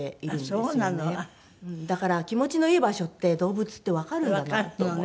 だから気持ちのいい場所って動物ってわかるんだなと思って。